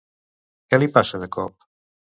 Què li passa de cop?